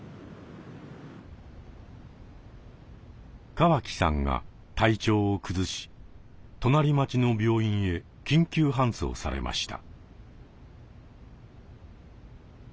川木さんが体調を崩し隣町の病院へ緊急搬送されました。